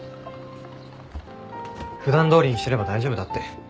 普段どおりにしてれば大丈夫だって。